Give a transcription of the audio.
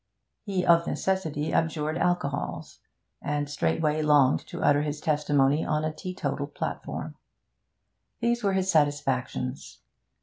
He of necessity abjured alcohols, and straightway longed to utter his testimony on a teetotal platform. These were his satisfactions.